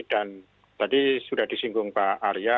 dan tadi sudah disinggung pak arya